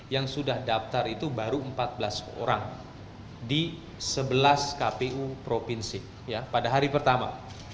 yang sudah daftar itu baru empat belas orang di sebelas kpu provinsi pada hari pertama